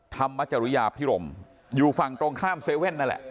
ธรรมจริยาพิรมอยู่ฝั่งตรงข้ามเซเว่นนั่นแหละ